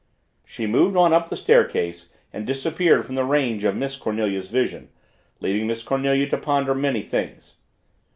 She moved on up the staircase and disappeared from the range of Miss Cornelia's vision, leaving Miss Cornelia to ponder many things.